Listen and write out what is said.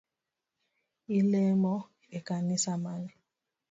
Ilemo e kanisa mane?